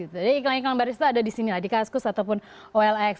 jadi iklan iklan baris itu ada di sini lah di kaskus ataupun olx